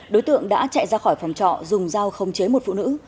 đối tượng đã chạy ra khỏi phòng trọ dùng dao không chế một phụ nữ